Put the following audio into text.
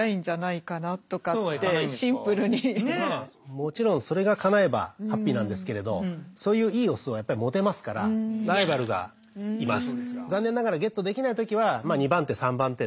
もちろんそれがかなえばハッピーなんですけれどそういういいオスはやっぱりモテますからライバルがいます。